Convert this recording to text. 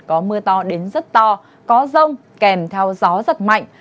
có mưa to đến rất to có rông kèm theo gió giật mạnh